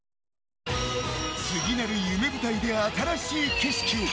次なる夢舞台で新しい景色を。